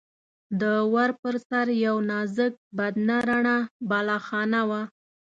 د ور پر سر یوه نازک بدنه رڼه بالاخانه وه.